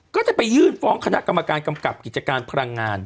ก็จะไปยื่นฟ้องคณะกรรมการกำกับกิจการพลังงาน